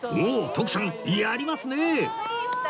徳さんやりますね